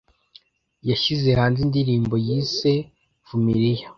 yashyize hanze indirimbo yise 'vumilia'